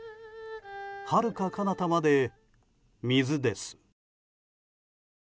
はるかかなたまで水です。